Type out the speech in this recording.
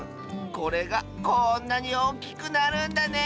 これがこんなにおおきくなるんだね！